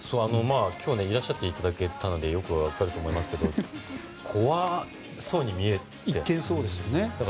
今日いらっしゃっていただけたのでよく分かると思いますけど怖そうに見えるじゃないですか。